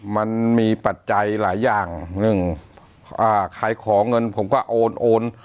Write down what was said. มันมีปัจจัยหลายอย่างหนึ่งอ่าใครขอเงินผมก็โอนโอน